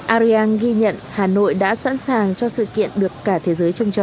ariang ghi nhận hà nội đã sẵn sàng cho sự kiện được cả thế giới trông chờ